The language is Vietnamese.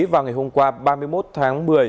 vào ngày hôm qua ba mươi một tháng một mươi